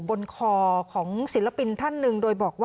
บนคอของศิลปินท่านหนึ่ง